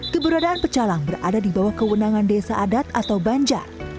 keberadaan pecalang berada di bawah kewenangan desa adat atau banjar